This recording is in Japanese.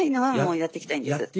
やっていきたいんですよね